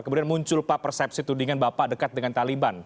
kemudian muncul pak persepsi tudingan bapak dekat dengan taliban